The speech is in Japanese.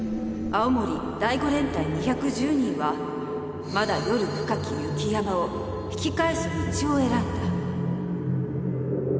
青森第５連隊２１０人はまだ夜深き雪山を引き返す道を選んだ。